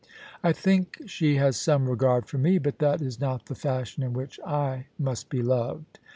I think she has some regard for me, but that is not the fashion in which I must be loved.